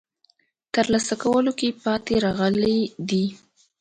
ترلاسه کولو کې پاتې راغلي دي.